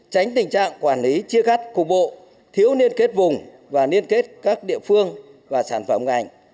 tránh tình trạng quản lý chia cắt cục bộ thiếu liên kết vùng và liên kết các địa phương và sản phẩm ngành